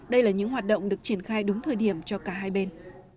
đây là những hoạt động được triển khai đúng thời điểm cho cả hai bên